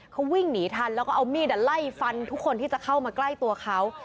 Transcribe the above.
เขาวิ่งหนีทันแล้วก็เอามีดไล่ฟันทุกคนที่จะเข้ามาใกล้ตัวเขา